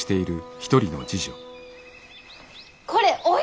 これお稲！